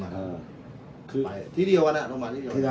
ส่วนสุดท้ายส่วนสุดท้าย